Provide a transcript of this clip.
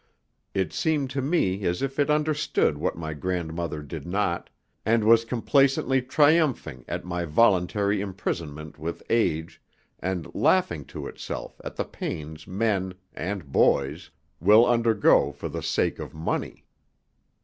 It seemed to me as if it understood what my grandmother did not, and was complacently triumphing at my voluntary imprisonment with age, and laughing to itself at the pains men and boys will undergo for the sake of money.